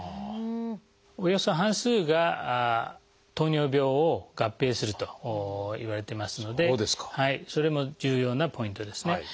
およそ半数が糖尿病を合併するといわれてますのでそれも重要なポイントですね。